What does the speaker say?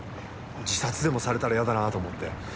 自殺でもされたら嫌だなと思って。